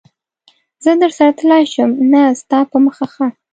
زه درسره تللای شم؟ نه، ستا په مخه ښه.